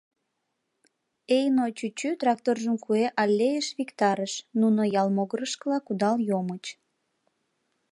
Эйно чӱчӱ тракторжым куэ аллейыш виктарыш, нуно ял могырышкыла кудал йомыч.